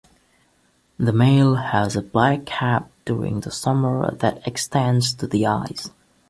The male has a black cap during the summer that extends to the eyes.